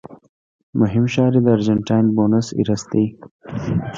مهم ښار یې د ارجنټاین بونس ایرس دی.